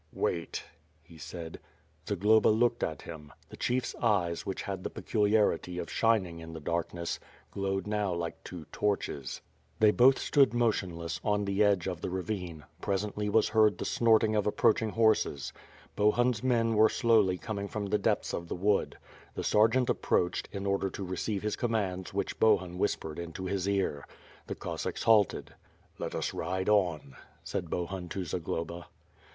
"Wait," he said. Zagloba looked at him. The chief's eyes, which had the peculiarity of shining in the darkness, glowed now like two torches. 5^^ WITH Fiith: ASh HWokD. They both stood motionlegs, on the edge of the ravine; presently was heard the snorting of approaching horses. Bohun's men were slowly coming from the depths of the wood. The sergeant approached, in order to receive his commands which Bohun whispered into his ear. Then the Cossacks halted. "Let us ride on," said Bohun to Zagloba.